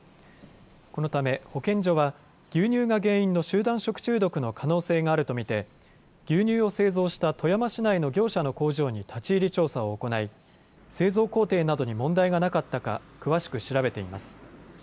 このため保健所は牛乳が原因の集団食中毒の可能性があると見て牛乳を製造した富山市内の業者の工場に立ち入り調査を行い製造工程などに問題がなかったか詳しく調べています。